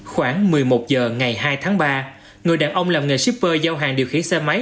khoảng một mươi một h ngày hai tháng ba người đàn ông làm nghề shipper giao hàng điều khiển xe máy